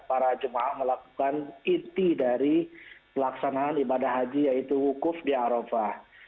para jum'ah melakukan inti dari pelaksanaan ibadah haji yaitu hukum di arofah